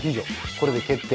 これで決定。